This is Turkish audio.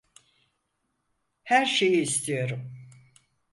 Her şeyi istiyorum.